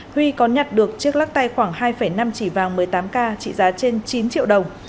huy có nhặt được chiếc lắc tay khoảng hai năm chỉ vàng một mươi tám k trị giá trên chín triệu đồng